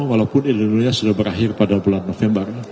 walaupun indonesia sudah berakhir pada bulan november